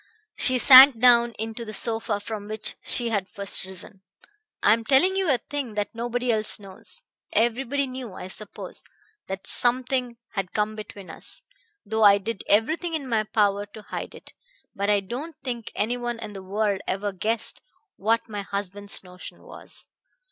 She sank down into the sofa from which she had first risen. "I am telling you a thing that nobody else knows. Everybody knew, I suppose, that something had come between us, though I did everything in my power to hide it. But I don't think any one in the world ever guessed what my husband's notion was.